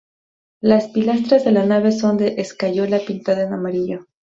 Las pilastras de la nave son de escayola pintada en amarillo.